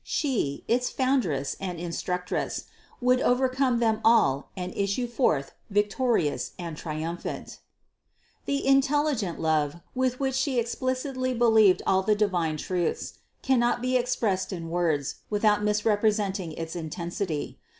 She, its Foundress and Instructress, would overcome them all and issue forth victorious and triumphant. 499. The intelligent love, with which She explicitly believed all the divine truths, cannot be expressed in 384 CITY OF GOD words, without misrepresenting its intensity.